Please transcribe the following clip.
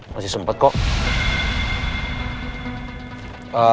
masih sempet kok